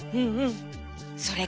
それから？